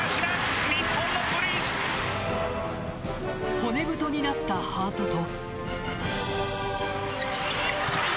骨太になったハートと。